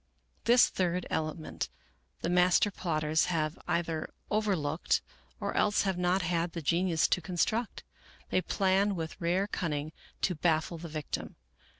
This third element the master plotters have either overlooked or else have not had the genius to construct. They plan with rare cunning to baffle the victim.